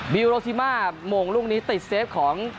ิลโรซิมาโมงลูกนี้ติดเซฟของ